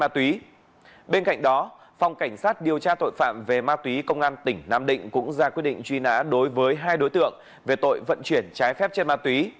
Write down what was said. bên cạnh đó phòng cảnh sát điều tra tội phạm về ma túy công an tỉnh nam định cũng ra quyết định truy nã đối với hai đối tượng về tội vận chuyển trái phép trên ma túy